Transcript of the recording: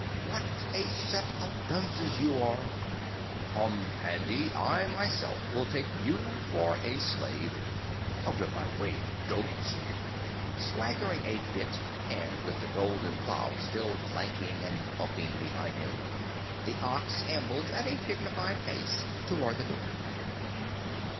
What a set of dunces you are! Come, Handy, I myself, will take you for a slave. Out of my way, DOLTS!" Swaggering a bit, and with the golden plough still clanking and bumping behind him, the Ox ambled at a dignified pace toward the door.